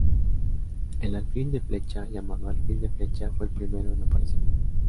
El Alfil de flecha, llamado "Alfil de flecha", fue el primero en aparecer.